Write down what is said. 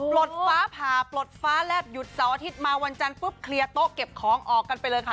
ลดฟ้าผ่าปลดฟ้าแลบหยุดเสาร์อาทิตย์มาวันจันทร์ปุ๊บเคลียร์โต๊ะเก็บของออกกันไปเลยค่ะ